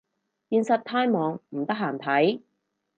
現實太忙唔得閒睇